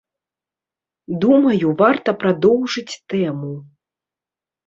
Думаю, варта прадоўжыць тэму.